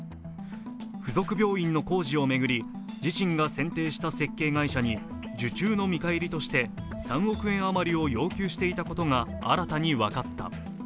付属病院の工事を巡り自身が選定した設計会社に受注の見返りとして、３億円余りを要求していたことが新たに分かった。